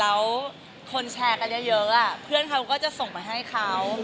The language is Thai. แล้วคนแชร์กันเยอะเพื่อนเขาก็จะส่งไปให้เขา